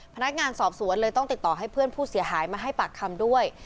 พนักงานสอบสวนเลยต้องติดต่อให้เพื่อนผู้เสียหายมาให้ปากคำด้วย